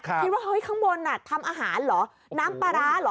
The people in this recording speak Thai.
เฮ้ยข้างบนทำอาหารเหรอน้ำปลาร้าเหรอ